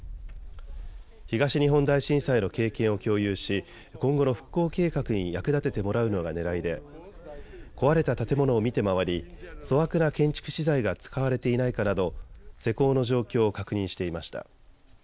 東日本大震災の経験を共有し今後の復興計画に役立ててもらうのがねらいで壊れた建物を見て回り粗悪な建築資材が使われていないかなど施工の状況を確認していました。